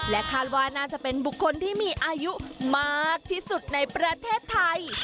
คาดว่าน่าจะเป็นบุคคลที่มีอายุมากที่สุดในประเทศไทย